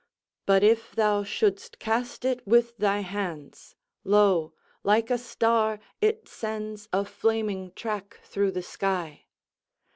But if thou shouldst cast it with thy hands, lo, like a star, it sends a flaming track through the sky.